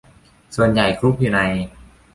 ส่วนใหญ่คลุกอยู่ใน